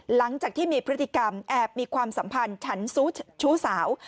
หลังจากที่มีพฤติกรรมแอบมีความสัมพันธ์ฉันชู้สาว